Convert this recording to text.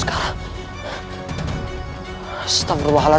setelah tipe bayanya